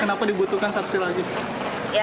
kenapa dibutuhkan saksi lagi